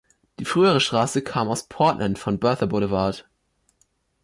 Die frühere Straße kam aus Portland von Bertha Blvd.